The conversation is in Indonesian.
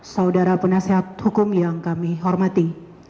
saudara penasehat hukum yang kami hormati